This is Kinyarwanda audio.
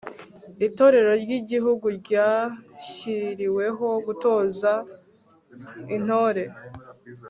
itorero ry'igihugu ryashyiriweho gutoza intore